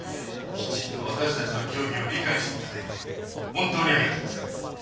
きちんと私たちの教義を理解して頂いて本当にありがとうございます。